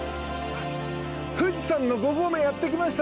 富士山の５合目にやってきました。